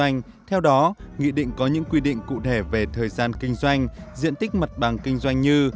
theo đó nghị định có những quy định cụ thể về thời gian kinh doanh diện tích mặt bằng kinh doanh như